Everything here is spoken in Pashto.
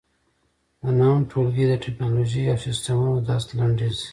د نهم ټولګي د ټېکنالوجۍ او سیسټمونو درس لنډیز